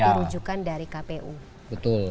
rujukan dari kpu betul